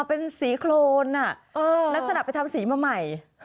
เป็นสีโครนลักษณะไปทำสีมาใหม่